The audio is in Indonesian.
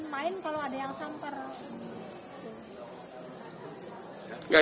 main kalau ada yang sampel